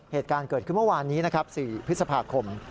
เหตุการณ์เกิดขึ้นเมื่อวานนี้นะครับ๔พฤษภาคม